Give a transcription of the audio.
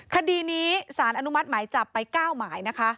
คดีนี้สารอนุมัติหมายจับไป๙หมายนะคะ